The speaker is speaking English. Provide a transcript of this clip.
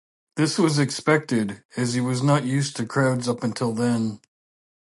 This was expected, as he was not used to crowds up until then.